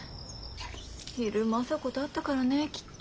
昼マサコと会ったからねきっと。